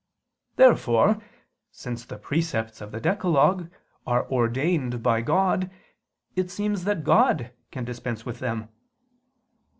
Therefore, since the precepts of the decalogue are ordained by God, it seems that God can dispense with them.